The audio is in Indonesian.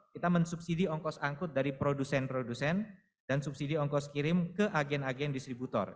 kita mensubsidi ongkos angkut dari produsen produsen dan subsidi ongkos kirim ke agen agen distributor